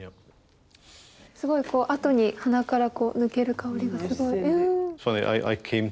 すごいこうあとに鼻から抜ける香りがすごい。